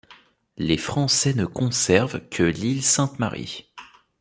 Les Français ne conservent que l'île Sainte-Marie.